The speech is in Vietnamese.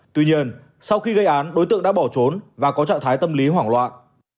tuy nhiên sau khi gây án đối tượng đã bỏ trốn và có trạng thái tâm lý hoảng loạn